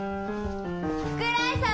福来さん